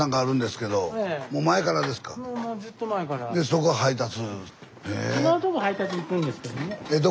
そこ配達。